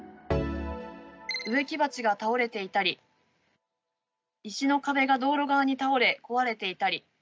植木鉢が倒れていたり石の壁が道路側に倒れ壊れていたり。